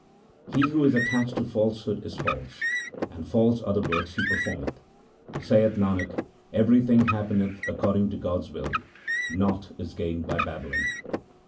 He who is attached to falsehood is false, and false are the works he performeth. Saith Nanak, everything happeneth according to God's will ; naught is gained by babbling.